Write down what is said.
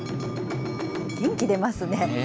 元気出ますね。